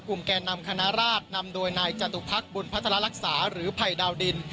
กลุ่มแก่นำคณะราชนำโดยนายจัตุพลักษณ์บุญพัฒนลักษณ์หรือไผ่ดาวดิน